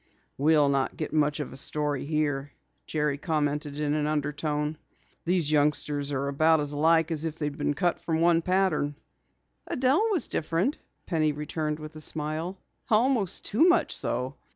"We'll not get much of a story here," Jerry commented in an undertone. "These youngsters are as much alike as if they had been cut from one pattern." "Adelle was different," Penny returned with a smile. "Almost too much so."